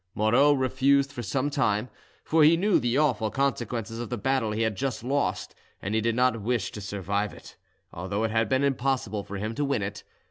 Moreau refused for some time, for he knew the awful consequences of the battle he had just lost, and he did not wish to survive it, although it had been impossible for him to win it.